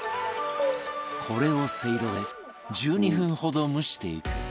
これをせいろで１２分ほど蒸していく